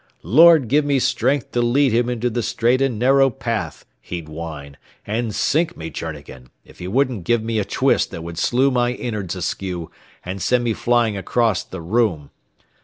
'Lord give me strength to lead him into the straight and narrow path,' he'd whine; and sink me, Journegan, if he wouldn't give me a twist that would slew my innerds askew and send me flying acrost the room.